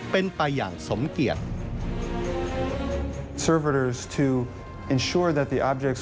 เป็นไปอย่างสมเกียจ